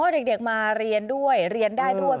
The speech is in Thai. เด็กมาเรียนด้วยเรียนได้ด้วย